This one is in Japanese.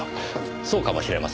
そうかもしれません。